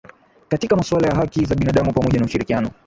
katika masuala ya haki za binadamu pamoja na ushirikiano